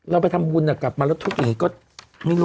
เราไปทำบุญกลับมาแล้วทุกว่ายังงี้ก็